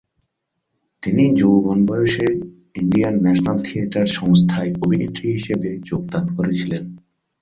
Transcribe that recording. তিনি যৌবন বয়সে ইন্ডিয়ান ন্যাশনাল থিয়েটার সংস্থায় অভিনেত্রী হিসেবে যোগদান করেছিলেন।